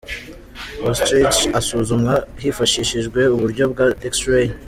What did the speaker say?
Osteoarthritis isuzumwa hifashishijwe uburyo bwa X-ray.